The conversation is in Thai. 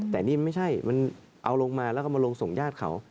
แต่นี่มันไม่ใช่มันเอาลงมาแล้วก็มาลงส่งญาติเขา